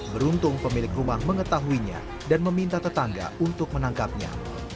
beruntung pemilik rumah mengetahuinya dan meminta tetangga untuk menangkapnya